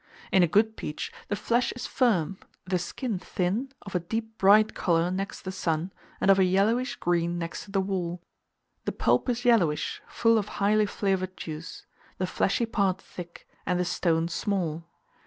In a good peach, the flesh is firm, the skin thin, of a deep bright colour next the sun and of a yellowish green next to the wall; the pulp is yellowish, full of highly flavoured juice, the fleshy part thick, and the stone small.